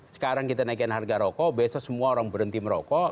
sekarang kita naikkan harga rokok besok semua orang berhenti merokok